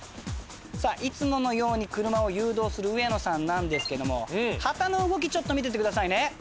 さあいつものように車を誘導する上野さんなんですけども旗の動きちょっと見ていてくださいね。